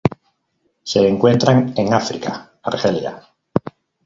Se encuentran en África: Argelia.